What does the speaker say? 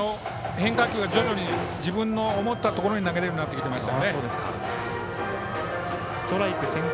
変化球が徐々に自分の思ったところに投げられるようになりました。